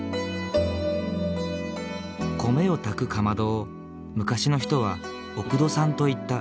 米を炊くかまどを昔の人はおくどさんと言った。